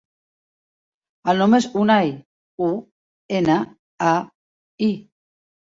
El nom és Unai: u, ena, a, i.